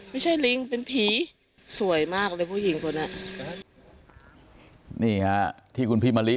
ไม่ใช่ลิงเป็นผีสวยมากเลยผู้หญิงตัวนี้ที่คุณพี่มะลิ